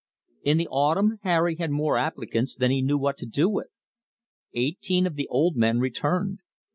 In the autumn Harry had more applicants than he knew what to do with. Eighteen of the old men returned.